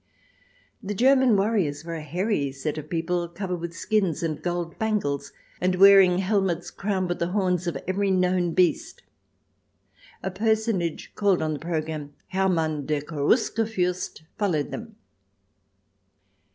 The German warriors were a hairy set of people covered with skins and gold bangles, and wearing helmets crowned with the horns of every known beast. A personage, called on the programme Hermann der Cherusker furst, followed them.